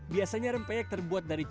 biasanya rempeyek terbuat dari chi